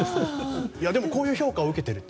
でもこういう評価を受けていると。